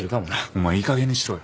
お前いいかげんにしろよ。